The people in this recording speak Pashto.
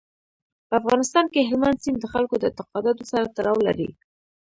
په افغانستان کې هلمند سیند د خلکو د اعتقاداتو سره تړاو لري.